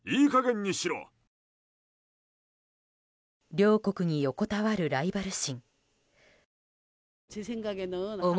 両国に横たわるライバル心。